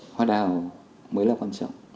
hoa đào mới là quan trọng